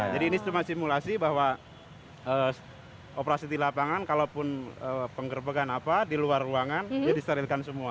jadi ini cuma simulasi bahwa operasi di lapangan kalaupun penggerbakan apa di luar ruangan dia diseritkan semua